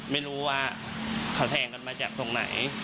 ไม่รู้ว่าเขาแทงกันมาจากตรงไหน